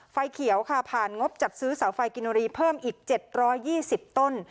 ไฟเขียวค่ะผ่านงบจัดซื้อเสาไฟกินรีเพิ่มอีกเจ็ดร้อยยี่สิบต้น